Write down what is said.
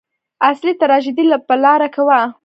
اصلي تراژیدي لا په لاره کې وه.